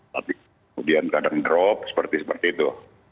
tapi kemudian kadang drop seperti seperti itu